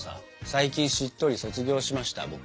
最近「しっとり」卒業しました僕。